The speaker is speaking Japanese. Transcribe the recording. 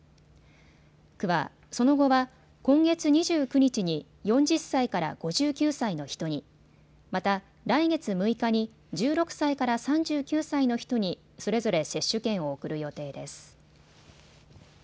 区は、その後は今月２９日に４０歳から５９歳の人に、また来月６日に１６歳から３９歳の人にそれぞれ接種券を送る予定です。